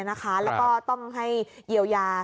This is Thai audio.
แล้วก็ต้องให้เยียวยา